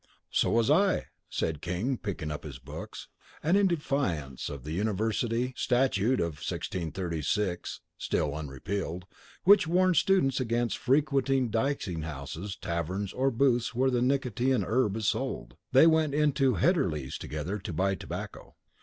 "So was I," said King, picking up his books. And in defiance of the University statute of 1636 (still unrepealed) which warns students against "frequenting dicing houses, taverns, or booths where the nicotian herb is sold," they went into Hedderly's together to buy tobacco.